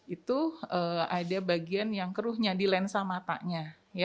itu ada bagian yang keruhnya di lensa matanya